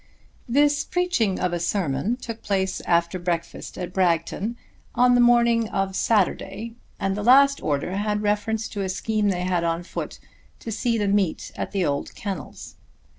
This preaching of a sermon took place after breakfast at Bragton on the morning of Saturday, and the last order had reference to a scheme they had on foot to see the meet at the old kennels.